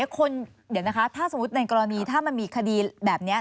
คนเดี๋ยวนะคะถ้าสมมุติในกรณีถ้ามันมีคดีแบบนี้